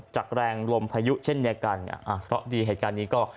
จากแรงลมพายุเช่นเดียวกันอ่าเพราะดีเหตุการณ์นี้ก็